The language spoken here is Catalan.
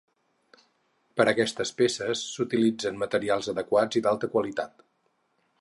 Per a aquestes peces s'utilitzen materials adequats i d'alta qualitat.